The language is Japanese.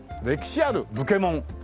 歴史ある武家門。